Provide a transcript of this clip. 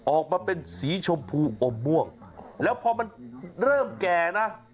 ออกมาเป็นสีชมพูอมม่วงแล้วพอมันเริ่มแก่นะ